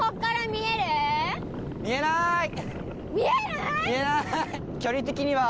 見えない！